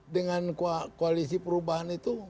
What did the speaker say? dengan koalisi perubahan